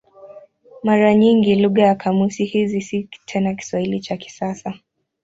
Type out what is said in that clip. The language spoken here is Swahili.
Mara nyingi lugha ya kamusi hizi si tena Kiswahili cha kisasa.